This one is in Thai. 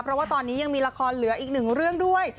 เพราะว่าตอนนี้ยังมีละครเหลืออีกหนึ่งเรื่องด้วย